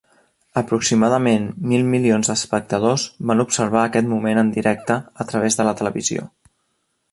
Aproximadament mil milions d'espectadors van observar aquest moment en directe a través de la televisió.